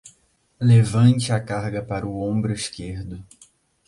Levante a carga para o ombro esquerdo.